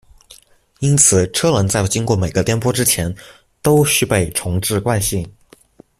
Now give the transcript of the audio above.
因此车轮在经过每个颠簸之前都须被重置惯性。